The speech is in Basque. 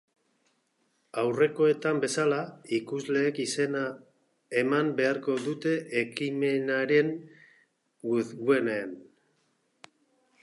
Aurrekoetan bezala, ikusleek izena eman beharko dute ekimenaren webgunean.